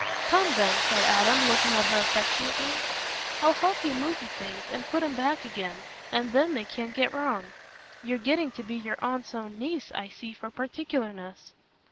"Come, then," said Adam, looking at her affectionately, "I'll help you move the things, and put 'em back again, and then they can't get wrong. You're getting to be your aunt's own niece, I see, for particularness."